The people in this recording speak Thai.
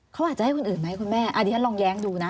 เขาอาจจะให้คนอื่นไหมคุณแม่อันนี้ฉันลองแย้งดูนะ